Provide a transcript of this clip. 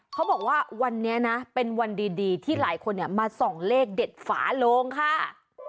เขาบอกว่าวันนี้นะเป็นวันดีที่หลายคนมาส่องเลขเด็ดฝาโลงค่ะ